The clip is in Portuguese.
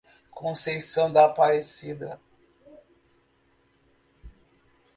Conceição da Aparecida